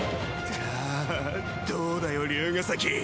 あぁどうだよ竜ヶ崎！